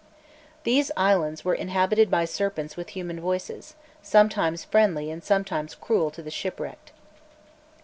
These islands were inhabited by serpents with human voices, sometimes friendly and sometimes cruel to the shipwrecked.